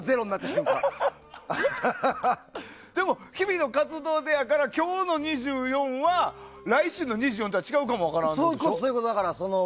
日々の活動やから今日の２４は、来週の２４とは違うかも分からんでしょ。